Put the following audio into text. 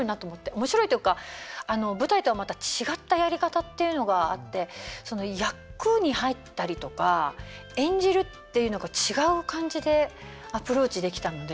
面白いというか舞台とはまた違ったやり方っていうのがあってその役に入ったりとか演じるっていうのが違う感じでアプローチできたので。